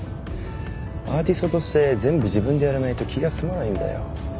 アーティストとして全部自分でやらないと気が済まないんだよ。